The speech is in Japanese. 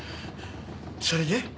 それで？